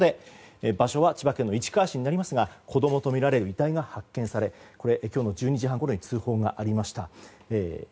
場所は千葉県市川市になりますが子供とみられる遺体が発見され今日の１２時半ごろに通報がありました。